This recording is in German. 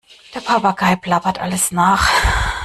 Der Papagei plappert alles nach.